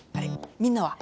みんなは？